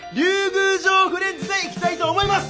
宮城フレンズでいきたいと思います！